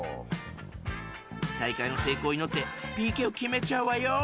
大会の成功を祈ってＰＫを決めちゃうわよ。